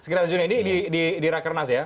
sekitar juni ini di rakernas ya